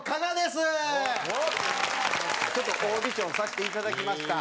ちょっとオーディションさして頂きました。